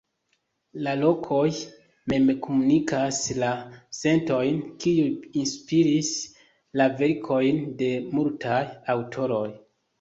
La lokoj mem komunikas la sentojn kiuj inspiris la verkojn de multaj aŭtoroj.